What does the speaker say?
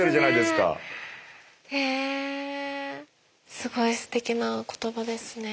すごいすてきな言葉ですね。